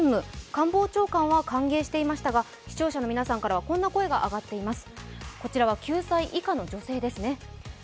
官房長官は歓迎していましたが、視聴者の皆さんからはこんな声が上がっています。